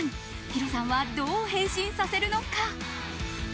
ヒロさんはどう変身させるのか。